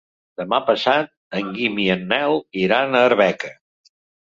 Demà passat en Guim i en Nel iran a Arbeca.